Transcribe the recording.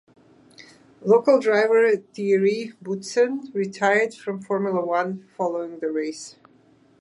Local driver Thierry Boutsen retired from Formula One following the race.